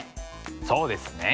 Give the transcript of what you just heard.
そうですね。